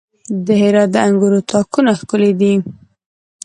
د هرات د انګورو تاکونه ښکلي دي.